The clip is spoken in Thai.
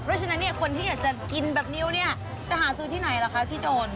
เพราะฉะนั้นคนที่อยากจะกินแบบนิ้วจะหาซื้อที่ไหนล่ะคะที่โจมตี